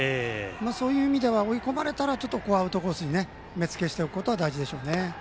そういう意味では追い込まれたらアウトコースに目つけしておくことは大事でしょうね。